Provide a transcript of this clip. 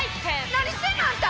何してんのあんた！